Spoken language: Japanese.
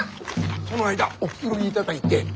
その間おくつろぎいただいて。